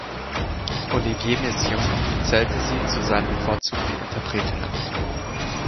Olivier Messiaen zählte sie zu seinen bevorzugten Interpretinnen.